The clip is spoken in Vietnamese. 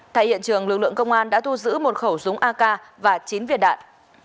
thay hiện trường lực lượng công an đã thu giữ một khẩu súng ak và chín viên đạn